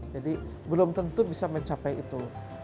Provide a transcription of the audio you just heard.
jadi belum tentu bisa mencapai itu